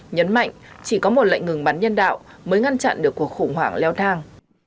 nhấn mạnh chỉ có một lệnh ngừng bắn nhân đạo mới ngăn chặn được cuộc khủng hoảng leo thang